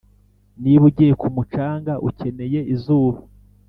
niba ugiye ku mucanga, ukeneye izuba.